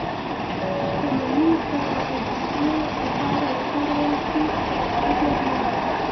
• شتمني که د صدقې لپاره وکارول شي، اجر لري.